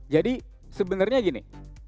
jadi sebenarnya gini